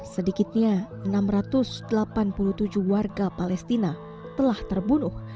sedikitnya enam ratus delapan puluh tujuh warga palestina telah terbunuh